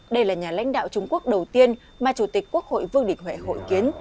đây là nhà lãnh đạo trung quốc đầu tiên mà chủ tịch quốc hội vương đình huệ hội kiến